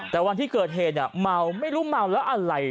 แต่วันที่เกิดเหตุเมาไม่รู้เมาแล้วอะไร